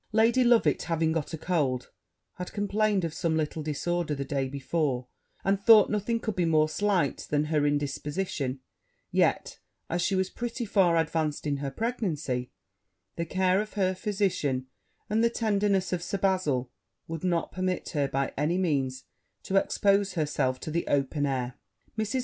Lady Loveit, having got a cold, had complained of some little disorder the day before; and though nothing could be more slight than her indisposition, yet, as she was pretty far advanced in her pregnancy, the care of her physician, and the tenderness of Sir Bazil, would not permit her by any means to expose herself to the open air. Mrs.